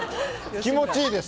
気持ちいいです。